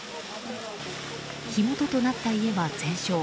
火元となった家は全焼。